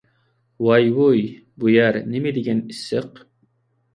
ۋاي-ۋۇي، بۇ يەر نېمىدېگەن ئىسسىق!